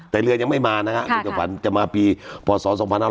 แต่เรือนยังไม่มานะฮะจะมาปีปศ๒๖๖๗